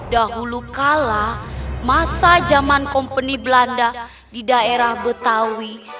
dahulu kala masa jaman kompeni belanda di daerah betawi